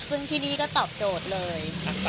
ซึ่งที่นี่ก็ตอบโจทย์เลย